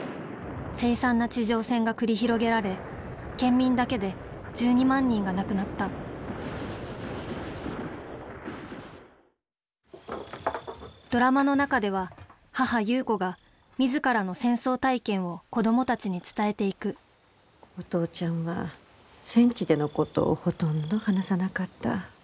凄惨な地上戦が繰り広げられ県民だけで１２万人が亡くなったドラマの中では母優子が自らの戦争体験を子供たちに伝えていくお父ちゃんは戦地でのことをほとんど話さなかった。